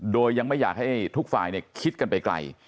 โดยยังไม่อยากให้ทุกฝ่ายคิดกันไปไกล